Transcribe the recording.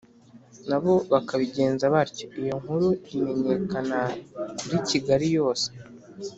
n'abo bakabigenza batyo. iyo nkuru imenyekana, kuri kigali yose,